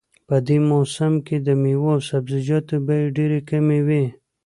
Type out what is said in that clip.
په دې موسم کې د میوو او سبزیجاتو بیې ډېرې کمې وي